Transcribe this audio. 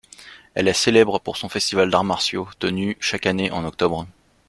Elle est célèbre pour son festival d'arts martiaux tenu chaque année en octobre.